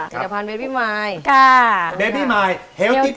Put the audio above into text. เจ็ดโมงเช้าเพลิน